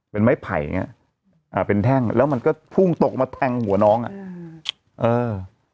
เป็นไม้ไผ่อย่างเงี้ยอ่าเป็นแท่งแล้วมันก็พุ่งตกมาแทงหัวน้องอ่ะอืมเออ